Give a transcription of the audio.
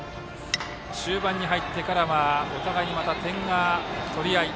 終盤に入ってからはお互いに点の取り合い。